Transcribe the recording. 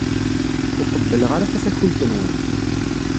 Ur qebbleɣ ara tafakult-nwen.